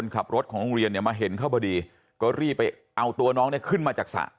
ขับรถของโรงเรียนเนี่ยมาเห็นเข้าพอดีก็รีบไปเอาตัวน้องเนี่ยขึ้นมาจากสระ